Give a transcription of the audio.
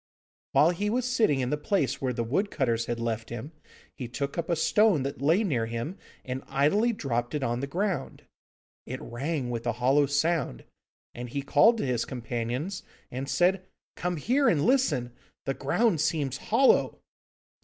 While he was sitting in the place where the wood cutters had left him, he took up a stone that lay near him, and idly dropped it on the ground. It rang with a hollow sound, and he called to his companions, and said, 'Come here and listen; the ground seems hollow!